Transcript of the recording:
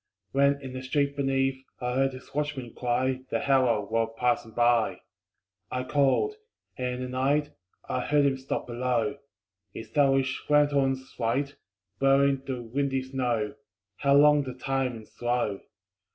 When in the street beneath I heard his watchman cry The hour, while passing by. I called. And in the night I heard him stop below, His owlish lanthorn's light Blurring the windy snow How long the time and slow!